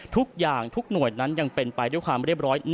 ทุกอย่างทุกหน่วยนั้นยังเป็นไปด้วยความเรียบร้อย